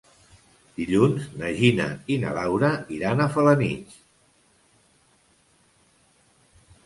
Dilluns na Gina i na Laura iran a Felanitx.